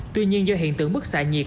tuy nhiên do hiện tượng bức xạ nhiệt